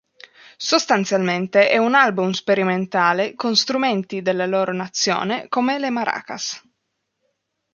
Sostanzialmente, è un album sperimentale con strumenti della loro nazione, come le maracas.